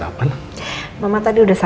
apa yang berakasnya